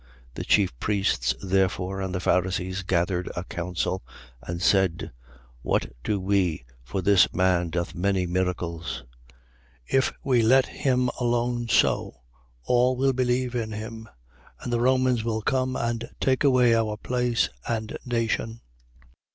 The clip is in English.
The chief priests, therefore, and the Pharisees gathered a council and said: What do we, for this man doth many miracles? 11:48. If we let him alone so, all will believe in him; and the Romans will come, and take away our place and nation. 11:49.